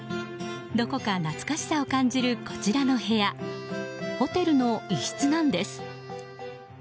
どこか懐かしさを感じるこちらの部屋ホテルの一室なんです。